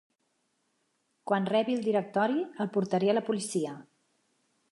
Quan rebi el directori, el portaré a la policia.